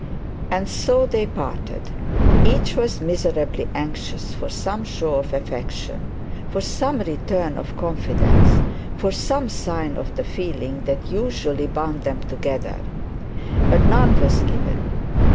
And so they parted. Each was miserably anxious for some show of affection, for some return of confidence, for some sign of the feeling that usually bound them together. But none was given.